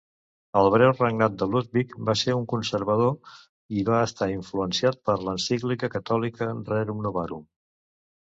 El breu regnat de Ludwig va ser conservador i va estar influenciat per l'encíclica catòlica "Rerum novarum".